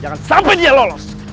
jangan sampai dia lolos